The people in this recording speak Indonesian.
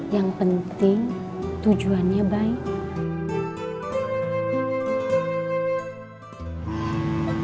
yang penting tujuannya baik